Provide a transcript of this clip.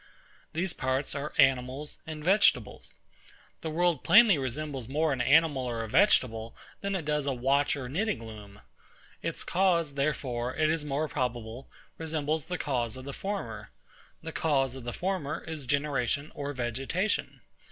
These parts are animals and vegetables. The world plainly resembles more an animal or a vegetable, than it does a watch or a knitting loom. Its cause, therefore, it is more probable, resembles the cause of the former. The cause of the former is generation or vegetation.